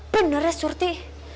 bener ya surti